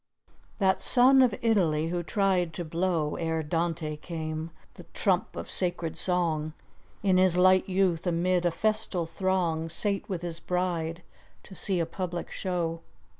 _ That son of Italy who tried to blow, Ere Dante came, the trump of sacred song, In his light youth amid a festal throng Sate with his bride to see a public show.